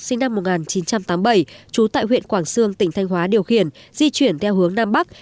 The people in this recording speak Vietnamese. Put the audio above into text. sinh năm một nghìn chín trăm tám mươi bảy trú tại huyện quảng sương tỉnh thanh hóa điều khiển di chuyển theo hướng nam bắc